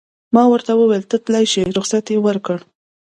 ما ورته وویل: ته تلای شې، رخصت یې ورکړ.